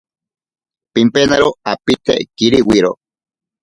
Pimpenaro apite kiribiro.